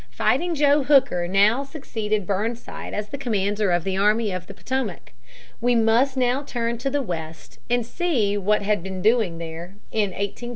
"Fighting Joe" Hooker now succeeded Burnside as commander of the Army of the Potomac. We must now turn to the West, and see what had been doing there in 1861 62. [Sidenote: General Grant.